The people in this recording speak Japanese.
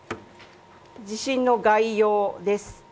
地震の概要です。